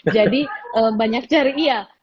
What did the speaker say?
jadi banyak cari ya